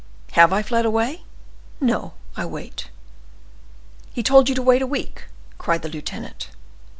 Have I fled away? No; I wait." "He told you to wait a week!" cried the lieutenant.